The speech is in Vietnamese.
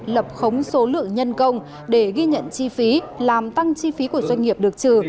lập khống số lượng nhân công để ghi nhận chi phí làm tăng chi phí của doanh nghiệp được trừ